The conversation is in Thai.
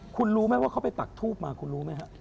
คุณรู้ไหมว่าเขาไปปักทูบมาคุณรู้ไหมฮะ